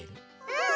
うん！